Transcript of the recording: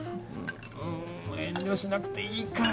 遠慮しなくていいから。